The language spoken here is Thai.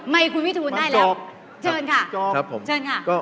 ไมค์คุณวิทูนได้แล้ว